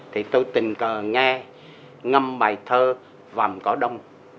thì tôi tình cờ nghe ngâm bài thơ vàm cỏ đông